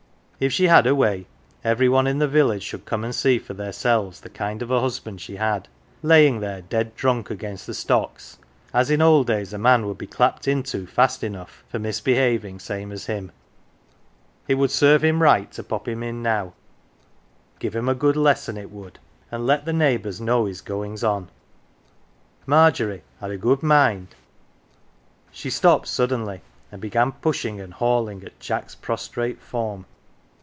If she had her way every one in the village should come and see for theirselves the kind of a husband she had laying there dead drunk against the stocks, as in old days a man would be clapped into fast enough for mis behaving same as him. It would serve him right to pop him in now give him a good lesson, it would, and 127 "THE GILLY F'ERS" let the neighbours know his goings on. Margery had a good mind She stopped suddenly, and began pushing and hauling at Jack's prostrate form.